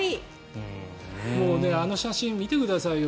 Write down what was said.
もう、あの写真見てくださいよ